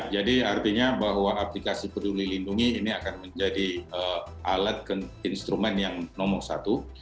jadi artinya bahwa aplikasi peduli lindungi ini akan menjadi alat instrumen yang nomor satu